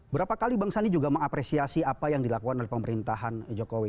berapa kali bang sandi juga mengapresiasi apa yang dilakukan oleh pemerintahan jokowi